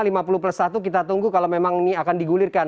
karena lima puluh plus satu kita tunggu kalau memang ini akan digulirkan